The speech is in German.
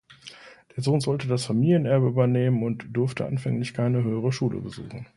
Der Sohn sollte das Familienerbe übernehmen und durfte anfänglich keine höhere Schule besuchen.